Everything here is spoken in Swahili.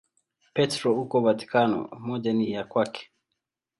Petro huko Vatikano, moja ni ya kwake.